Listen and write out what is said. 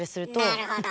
なるほど。